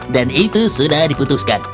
dan itu sudah diputuskan